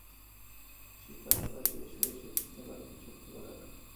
চিকিৎসার পাশাপাশি শুয়ে শুয়ে চিন্তা করতেন কিছু একটা করার।